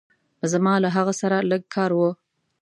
زما له هغه سره لږ کار وه.